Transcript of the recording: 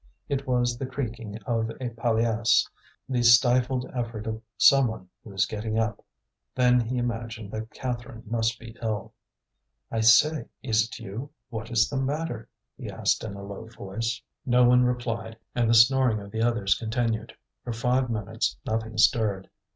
It was the creaking of a palliasse, the stifled effort of someone who is getting up. Then he imagined that Catherine must be ill. "I say, is it you? What is the matter?" he asked in a low voice. No one replied, and the snoring of the others continued. For five minutes nothing stirred.